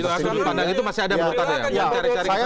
masih ada penutupnya ya